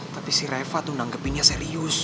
tapi si reva tuh menanggapinya serius